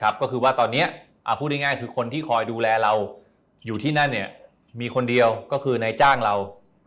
ก็คือว่าตอนนี้พูดง่ายคือคนที่คอยดูแลเราอยู่ที่นั่นมีคนเดียวก็คือนายจ้างเรา